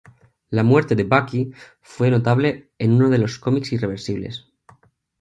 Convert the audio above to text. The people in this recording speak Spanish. La muerte de Bucky fue notable en uno de los cómics irreversibles.